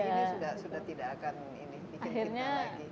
tapi ini sudah tidak akan bikin kita lagi